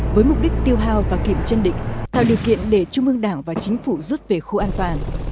với mục đích tiêu hào và kiểm chân định tạo điều kiện để trung ương đảng và chính phủ rút về khu an toàn